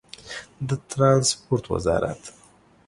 د ټرانسپورټ وزارت